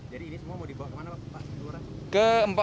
jadi ini semua mau dibawa ke mana pak